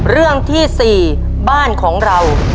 เรื่องที่๔บ้านของเรา